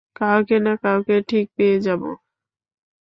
কাউকে না কাউকে ঠিক পেয়ে যাবো।